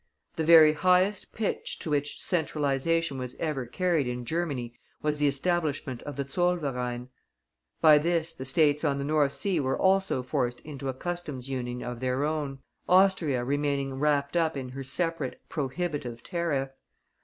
The very highest pitch to which centralization was ever carried in Germany was the establishment of the Zollverein; by this the States on the North Sea were also forced into a Customs Union of their own, Austria remaining wrapped up in her separate prohibitive tariff.